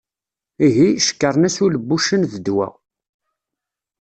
Ihi, cekkṛen-as ul n wuccen d ddwa.